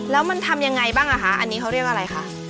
แล้วมันทำยังไงบ้างอ่ะคะอันนี้เขาเรียกอะไรคะ